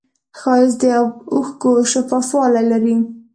ښایست د اوښکو شفافوالی لري